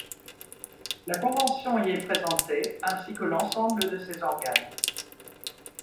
La Convention y est présentée ainsi que l'ensemble de ses organes.